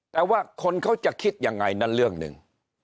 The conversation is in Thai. แต่ว่าคนเขาจะคิดยังไงนั่นเรื่องหนึ่ง